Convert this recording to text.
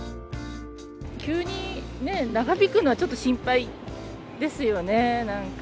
急にね、長引くのは、ちょっと心配ですよね、なんか。